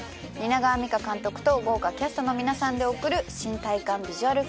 蜷川実花監督と豪華キャストの皆さんで送る新体感ビジュアル